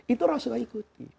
itu rasulullah ikuti